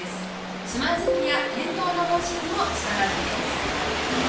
つまずきや転倒の防止にもつながるんです。